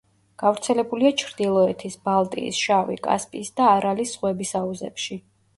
გავრცელებულია ჩრდილოეთის, ბალტიის, შავი, კასპიის და არალის ზღვების აუზებში.